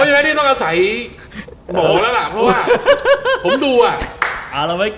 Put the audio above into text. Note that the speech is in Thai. ฉะนั้นนี่ต้องอาศัยหมอแล้วล่ะเพราะว่าผมดูอ่ะ